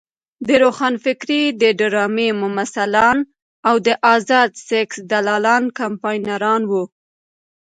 د روښانفکرۍ د ډرامې ممثلان او د ازاد سیکس دلالان کمپاینران وو.